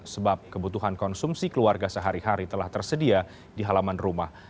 sebab kebutuhan konsumsi keluarga sehari hari telah tersedia di halaman rumah